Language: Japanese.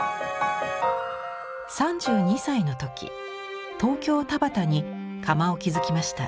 ３２歳の時東京田端に窯を築きました。